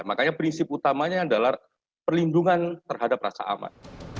makanya prinsip utamanya adalah perlindungan terhadap rasa aman